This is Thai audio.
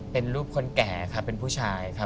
เป็นรูปคนแก่ครับเป็นผู้ชายครับ